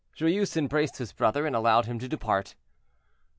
Joyeuse embraced his brother, and allowed him to depart.